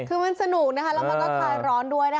คือมันสนุกนะคะแล้วมันก็คลายร้อนด้วยนะคะ